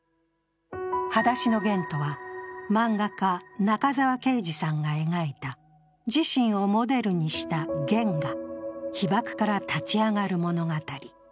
「はだしのゲン」とは漫画家中沢啓治さんが描いた自身をモデルにしたゲンが被爆から立ち上がる物語。